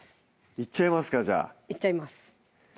いっちゃいますかじゃあいっちゃいます